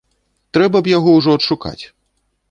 Трэба б яго ўжо адшукаць!